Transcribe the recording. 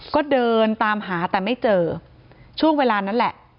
ก็เดินตามหาแต่ไม่เจอช่วงเวลานั้นแหละ